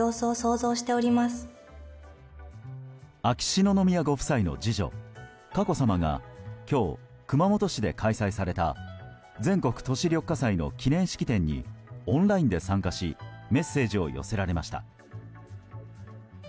秋篠宮ご夫妻の次女佳子さまが今日熊本市で開催された全国都市緑化祭の記念式典にオンラインで参加しメッセージを寄せられました。